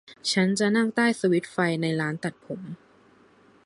ฉันจะนั่งใต้สวิตช์ไฟในร้านตัดผม